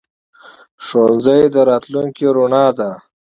ښوونځی د راتلونکي رڼا ده.